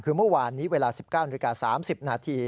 คือเมื่อวานนี้เวลา๑๙น๓๐น